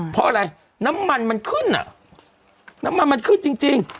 เพราะอะไรน้ำมันมันขึ้นอ่ะน้ำมันมันขึ้นจริง